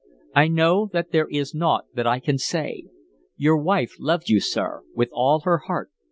"I know that there is naught that I can say.... Your wife loved you, sir, with all her heart."